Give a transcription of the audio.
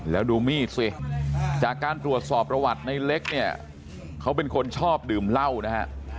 แล้วดูมีดสิจากการตรวจสอบประวัติในเล็กเนี่ยเขาเป็นคนชอบดื่มเหล้านะฮะ